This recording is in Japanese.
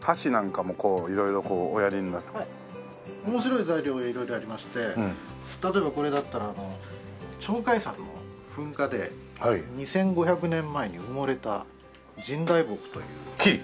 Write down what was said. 面白い材料色々ありまして例えばこれだったら鳥海山の噴火で２５００年前に埋もれた神代木という木なんですけど。